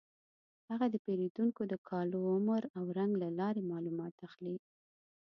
هغه د پیریدونکو د کالو، عمر او رنګ له لارې معلومات اخلي.